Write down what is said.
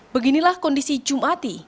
beginilah kondisi jum'ati